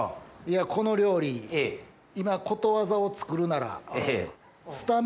この料理今ことわざを作るなら。